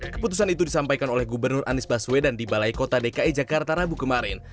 keputusan itu disampaikan oleh gubernur anies baswedan di balai kota dki jakarta rabu kemarin